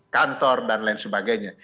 kantor dan lain sebagainya